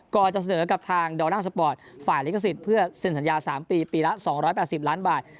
ก่อนจะเสนอกับทางดอลน่าสปอร์ตฝ่ายลิขสิทธิ์เพื่อเซ็นสัญญา๓ปีปีละ๒๘๐ล้านบาท